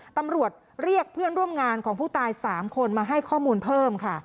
ตำรวจเรียกเพื่อนร่วมงานของผู้ตาย๓คนมาให้ข้อมูลเพิ่มค่ะ